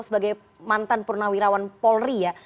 sebagai mantan purnawirawan polri ya